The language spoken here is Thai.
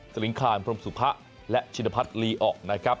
ลิงคานพรมสุภะและชินพัฒน์ลีออกนะครับ